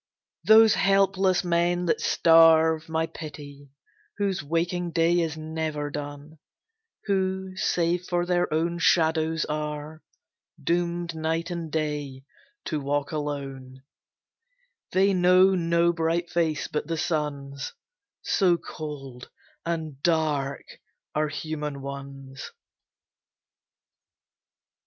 Those helpless men that starve, my pity; Whose waking day is never done; Who, save for their own shadows, are Doomed night and day to walk alone: They know no bright face but the sun's, So cold and dark are human ones.